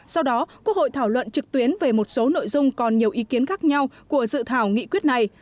sau đó quốc hội thảo luận trực tuyến về một số nội dung còn nhiều ý kiến khác nhau của dự thảo nghị quyết này